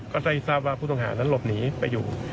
ก็ได้ทราบว่าผู้ต้องหานั้นหลบหนีไปอยู่